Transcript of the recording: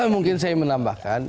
mungkin saya menambahkan